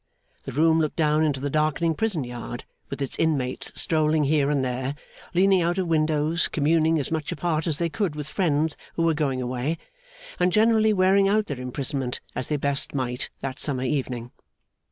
The room looked down into the darkening prison yard, with its inmates strolling here and there, leaning out of windows communing as much apart as they could with friends who were going away, and generally wearing out their imprisonment as they best might that summer evening.